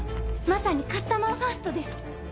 まさにカスタマーファーストです。